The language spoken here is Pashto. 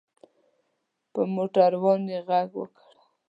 په موټر وان یې غږ وکړ.